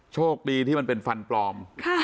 โชคดีที่มันเป็นฟันปลอม